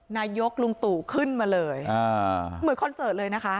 นายกลุงตู่ขึ้นมาเลยเหมือนคอนเสิร์ตเลยนะคะ